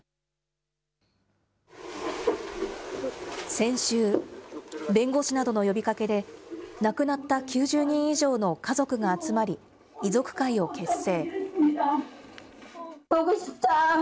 先週、弁護士などの呼びかけで、亡くなった９０人以上の家族が集まり、遺族会を結成。